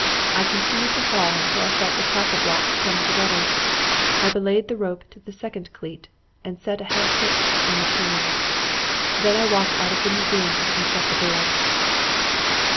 I continued to haul until I felt the tackle blocks come together. I belayed the rope to the second cleat and set a half hitch on the turns. Then I walked out of the museum and shut the door.